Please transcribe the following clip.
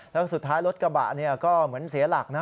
แล้วสุดท้ายรถกระบะก็เหมือนเสียหลักนะ